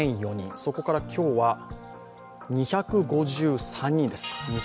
そこから今日は２５３人です。